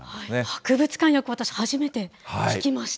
博物館浴、私、初めて聞きました。